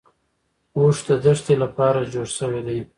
اوښ د دښتې لپاره جوړ شوی دی